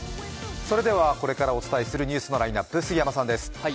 それではこれからお伝えするニュースのラインナップ、杉山さんです。